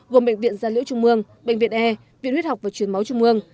gồm bệnh viện gia liễu trung mương bệnh viện e viện huyết học và chuyển máu trung mương